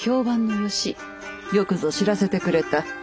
よくぞ知らせてくれた。